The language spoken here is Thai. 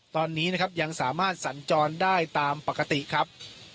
ตอนนี้นะครับยังสามารถสัญจรได้ตามปกติครับ